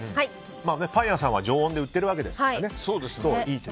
パン屋さんは常温で売っているわけですからね。